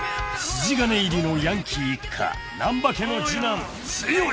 ［筋金入りのヤンキー一家難破家の次男剛］